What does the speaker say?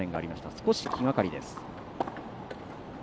少し気がかりです。